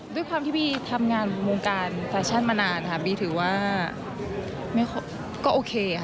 ด้วยความที่บีทำงานวงการแฟชั่นมานานค่ะบีถือว่าก็โอเคค่ะ